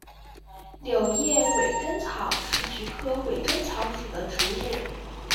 柳叶鬼针草是菊科鬼针草属的植物。